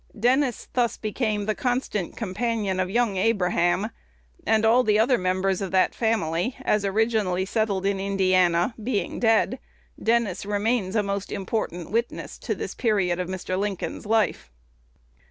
Dennis thus became the constant companion of young Abraham; and all the other members of that family, as originally settled in Indiana, being dead, Dennis remains a most important witness as to this period of Mr. Lincoln's life.